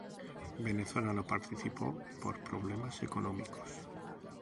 Venezuela no participó por problemas económicos.